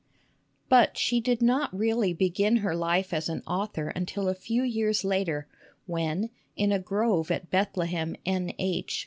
But she did not really begin her life as an author until a few years later, when in a grove at Bethlehem, N. H.